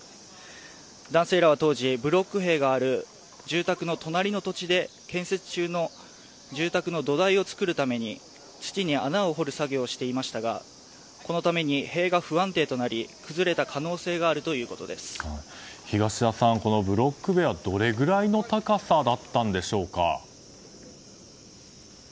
男性らは当時、ブロック塀がある住宅の隣の土地で建設中の住宅の土台を作るために土に穴を掘る作業をしていましたがこのために塀が不安定となり崩れた可能性がある東田さん、このブロック塀はどれくらいの高さだったのでしょうか。